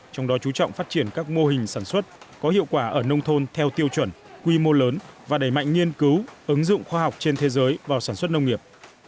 trong đó chú trọng phát triển các mô hình sản xuất có hiệu quả ở nông thôn theo tiêu chuẩn quy mô lớn và đẩy mạnh nghiên cứu ứng dụng khoa học trên thế giới vào sản xuất nông nghiệp